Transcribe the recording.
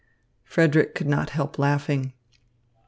Frederick could not help laughing.